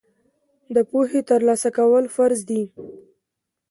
د پوهې ترلاسه کول فرض دي.